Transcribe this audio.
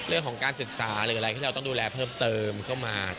เรื่องของการศึกษาหรืออะไรที่เราต้องดูแลเพิ่มเติมเข้ามา